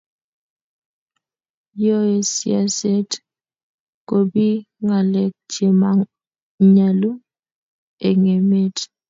yoe siaset kobiiy ngalek chemanyalu eng emet